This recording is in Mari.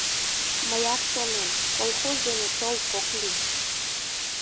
Мыят шонем: колхоз дене толк ок лий.